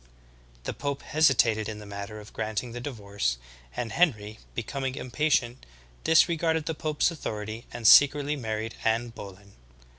The pope hesitated in the matter of granting the divorce, and Henry, becoming impatient, disregarded the pope's authority and secretly married Anne Boleyn.